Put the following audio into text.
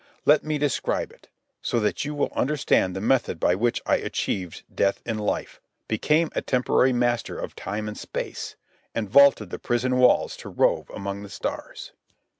Let me describe, it, so that you will understand the method by which I achieved death in life, became a temporary master of time and space, and vaulted the prison walls to rove among the stars.